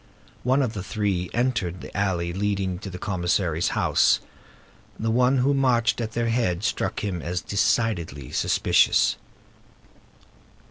One of the three entered the alley leading to the commissary's house. The one who marched at their head struck him as decidedly suspicious.